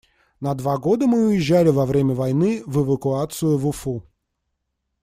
На два года мы уезжали во время войны в эвакуацию в Уфу.